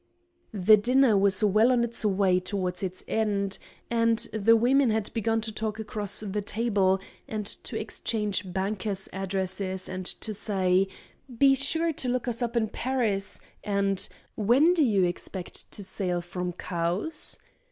The dinner was well on its way towards its end, and the women had begun to talk across the table, and to exchange bankers' addresses, and to say "Be sure and look us up in Paris," and "When do you expect to sail from Cowes?"